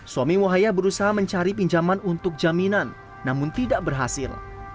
suami wahaya berusaha mencari pinjaman untuk jaminan namun tidak berhasil